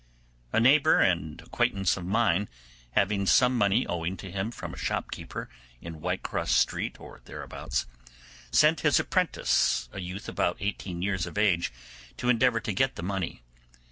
A neighbour and acquaintance of mine, having some money owing to him from a shopkeeper in Whitecross Street or thereabouts, sent his apprentice, a youth about eighteen years of age, to endeavour to get the money.